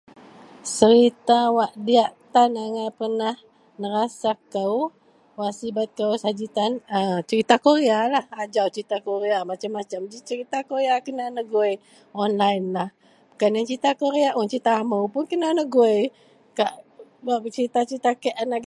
Serita wak diyak tan angai pernah nerasa kou, wak sibet kou saji tan a serita Korealah, ajau serita Korea, masem-masem ji serita kena negui, onlainlah, bukan serita Korea un , serita amou pun kena negui, kak bak serita-serita kek un agei